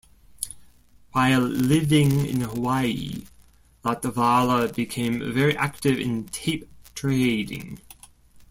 While living in Hawaii, Latvala became very active in tape trading.